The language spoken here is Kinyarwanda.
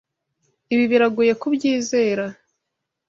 Ibi biragoye kubyizera.